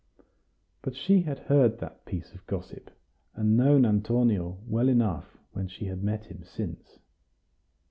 But she had heard that piece of gossip, and known Antonio well enough when she had met him since.